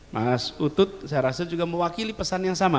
mas utut saya rasa juga mewakili pesan yang sama